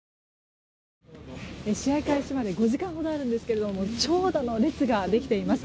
試合開始まで５時間ほどあるんですが長蛇の列ができています。